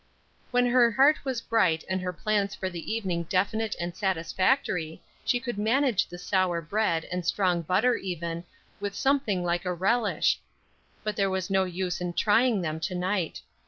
When her heart was bright and her plans for the evening definite and satisfactory, she could manage the sour bread and strong butter even, with something like a relish, but there was no use in trying them to night.